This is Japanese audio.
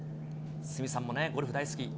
鷲見さんもゴルフ大好き。